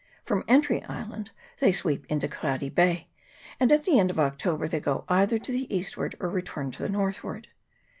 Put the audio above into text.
From Entry Island they sweep into Cloudy Bay, and at the end of October they go either to the eastward or return to the northward.